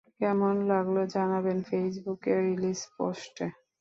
কেমন লাগলো জানাবেন ফেইসবুকে রিলিজ পোস্টে।